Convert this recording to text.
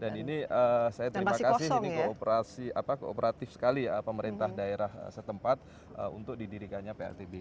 dan ini saya terima kasih ini kooperasi kooperatif sekali ya pemerintah daerah setempat untuk didirikannya pltb ini